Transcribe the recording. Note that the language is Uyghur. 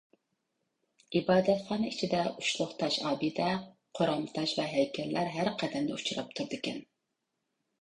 ئىبادەتخانا ئىچىدە ئۇچلۇق تاش ئابىدە، قورام تاش ۋە ھەيكەللەر ھەر قەدەمدە ئۇچراپ تۇرىدىكەن.